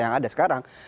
yang ada sekarang